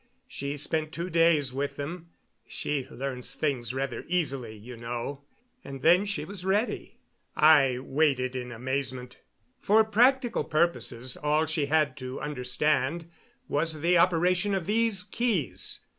She spent two days with them she learns things rather easily, you know and then she was ready." I waited in amazement. "For practical purposes all she had to understand was the operation of these keys.